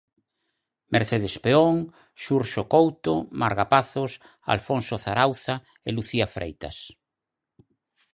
Mercedes Peón, Xurxo Couto, Marga Pazos, Alfonso Zarauza e Lucía Freitas.